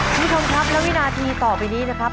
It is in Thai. นี่คุณครับแล้ววินาทีต่อไปนี้นะครับ